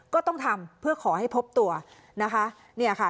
ก็ต้องทำเพื่อขอให้พบตัวนะคะ